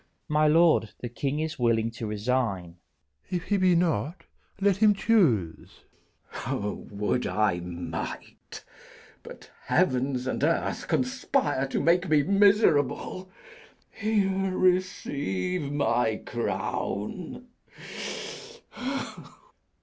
_ My lord, the king is willing to resign. Bish. of Win. If he be not, let him choose. K. Edw. O, would I might! but heavens and earth conspire To make me miserable. Here, receive my crown.